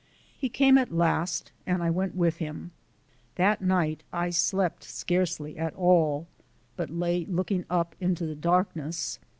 He came at last and I went with him. That night I slept scarcely at all, but lay looking up into the darkness.